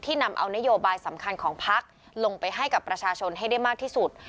นำเอานโยบายสำคัญของพักลงไปให้กับประชาชนให้ได้มากที่สุด